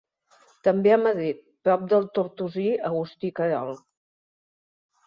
També a Madrid, prop del tortosí Agustí Querol.